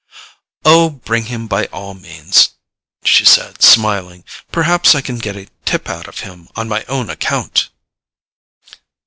"Oh, bring him by all means," she said smiling; "perhaps I can get a tip out of him on my own account."